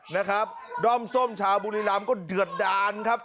นะครับด้อมส้มชาวบุรีรำก็เดือดดานครับ